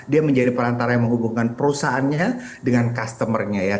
dia menjadi perantara yang menghubungkan perusahaannya dengan customer nya ya